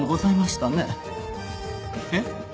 えっ？